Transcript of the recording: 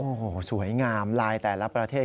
โอ้โหสวยงามลายแต่ละประเทศ